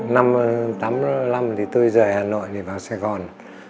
năm một nghìn chín trăm tám mươi năm thì tôi rời hà nội đi vào sài gòn